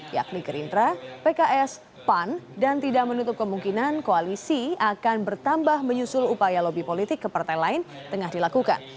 yakni gerindra pks pan dan tidak menutup kemungkinan koalisi akan bertambah menyusul upaya lobby politik ke partai lain tengah dilakukan